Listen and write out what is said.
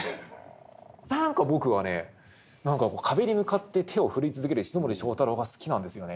何か僕はね何か壁に向かって手を振り続ける石森章太郎が好きなんですよね。